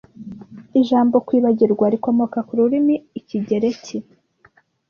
Ijambo kwibagirwa rikomoka ku rurimi Ikigereki